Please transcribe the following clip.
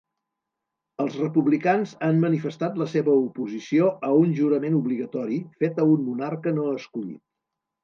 Els republicans han manifestat la seva oposició a un jurament obligatori fet a un monarca no escollit.